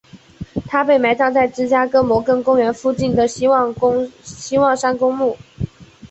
他被埋葬在芝加哥摩根公园附近的希望山公墓。